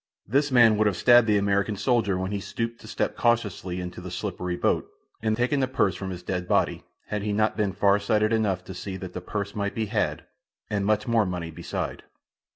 This man would have stabbed the American soldier when he stooped to step cautiously into the slippery boat, and taken the purse from his dead body, had he not been far sighted enough to see that the purse might be had, and much more money beside.